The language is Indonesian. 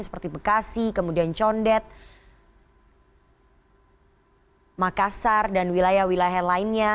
seperti bekasi kemudian condet makassar dan wilayah wilayah lainnya